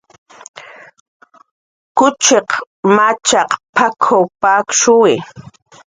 "Kuchiq machaq p""ak""w pakshuwi"